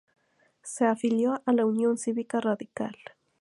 Se afilió a la Unión Cívica Radical.